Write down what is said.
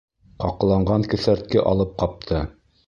Ҡаҡланған кеҫәртке алып ҡапты.